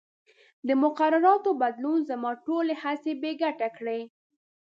د مقرراتو بدلون زما ټولې هڅې بې ګټې کړې.